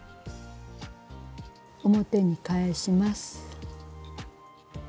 表に返します。